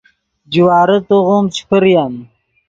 جوارے توغیم چے پریم